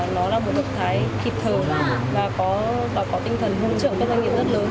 nó là một lực thái kịp thời và có tinh thần hướng trưởng các doanh nghiệp rất lớn